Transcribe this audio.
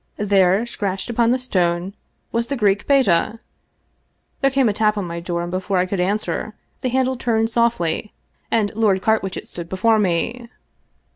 There, scratched upon the stone, was the Greek Beta ! There came a tap on my door, and before I could answer, the handle turned softly and Lord Carwitchet stood before me.